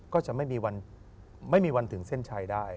ก็จะไม่มีวันถึงเส้นชัยได้